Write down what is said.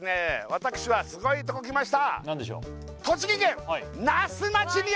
私はすごいとこ来ました